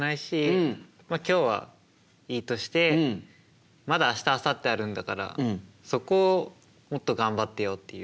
今日はいいとしてまだ明日あさってあるんだからそこをもっと頑張ってよっていう。